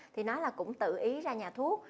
thì nói là cũng tự ý ra nhà thuốc